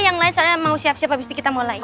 yang lain soalnya mau siap siap habis kita mulai